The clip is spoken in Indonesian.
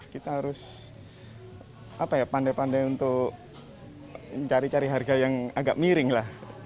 kita harus pandai pandai untuk mencari cari harga yang agak miring lah